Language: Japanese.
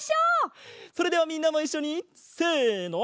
それではみんなもいっしょにせの。